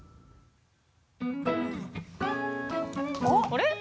あれ？